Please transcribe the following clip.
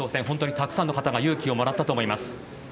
本当にたくさんの方が勇気をもらったと思います。